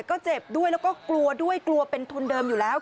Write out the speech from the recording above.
ก็เจ็บด้วยแล้วก็กลัวด้วยกลัวเป็นทุนเดิมอยู่แล้ว